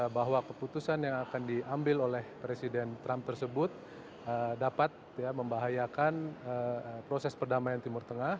bahwa keputusan yang akan diambil oleh presiden trump tersebut dapat membahayakan proses perdamaian timur tengah